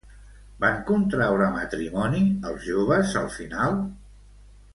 Van contraure matrimoni els joves al final?